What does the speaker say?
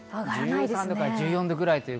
１３度から１４度ぐらいです。